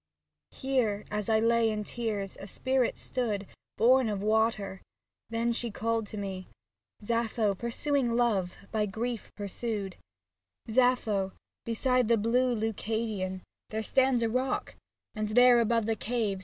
Here, as I lay in tears, a spirit stood Born of the water, then she called to me, Sappho, pursuing Love, by Grief pursued, Sappho, beside the blue Leucadian sea 73 SAPPHO TO PHAON There stands a rock, and there above the caves.